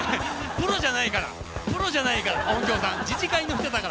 プロじゃないからプロじゃないから音響さん自治会の人だから。